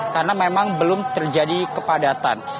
karena memang belum terjadi kepadatan